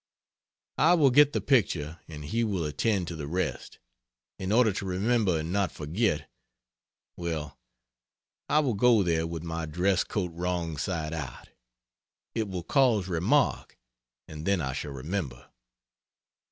I will get the picture and he will attend to the rest. In order to remember and not forget well, I will go there with my dress coat wrong side out; it will cause remark and then I shall remember.